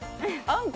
あ！